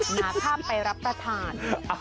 หนาข้ามไปรับประทาน